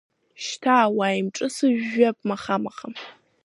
Шьҭа уааимҿысыжәжәап маха-маха.